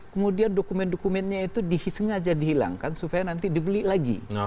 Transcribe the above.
kemudian dokumen dokumennya itu disengaja dihilangkan supaya nanti dibeli lagi